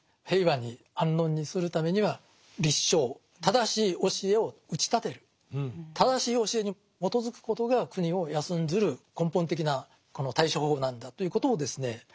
平和に安穏にするためには「立正」正しい教えを打ち立てる正しい教えに基づくことが国を安んずる根本的なこの対処方法なんだということをですね